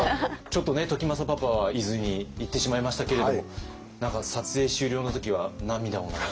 ちょっとね時政パパは伊豆に行ってしまいましたけれども何か撮影終了の時は涙を流されたと。